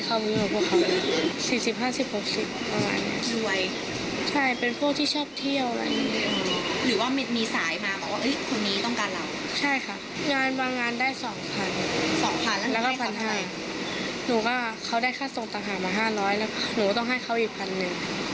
เข้ากับว่าหนูก็ได้แค่คันเดียว๕๕๐๐หนูก็ได้